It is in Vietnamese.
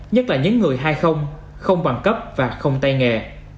nhất là những người hai không bằng cấp và không tay nghề